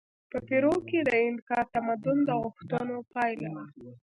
په پیرو کې د اینکا تمدن د نوښتونو پایله وه.